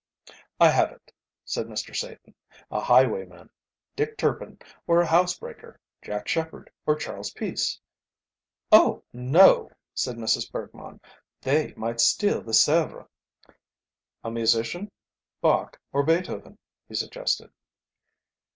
"I have it," said Mr. Satan, "a highwayman: Dick Turpin; or a housebreaker: Jack Sheppard or Charles Peace?" "Oh! no," said Mrs. Bergmann, "they might steal the Sevres." "A musician? Bach or Beethoven?" he suggested.